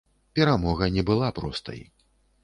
Перамога не была простай.